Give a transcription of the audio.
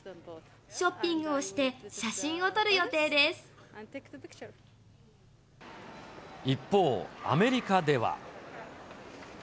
ショッピングをして、写真を撮る一方、アメリカでは。